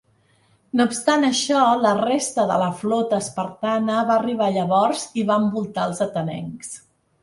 No obstant això, la resta de la flota espartana va arribar llavors i va envoltar els atenencs.